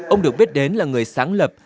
ông được biết đến là người sáng lập